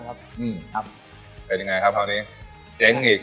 ครับเป็นยังไงครับคราวนี้เจ๊งอีก